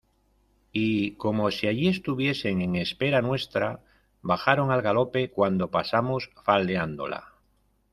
y como si allí estuviesen en espera nuestra, bajaron al galope cuando pasamos faldeándola.